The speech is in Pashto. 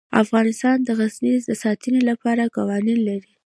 افغانستان د غزني د ساتنې لپاره قوانین لري.